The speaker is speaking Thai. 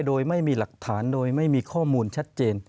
โดยไม่มีหลักฐานโดยไม่มีข้อมูลชัดเจน